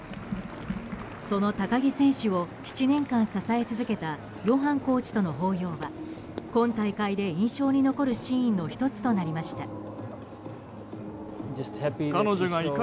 その高木選手を７年間支え続けたヨハンコーチとの抱擁は今大会で印象に残るシーンの１つとなりました。